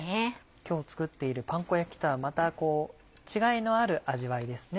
今日作っているパン粉焼きとはまた違いのある味わいですね。